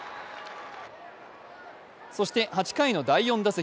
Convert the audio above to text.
そして８回の第４打席。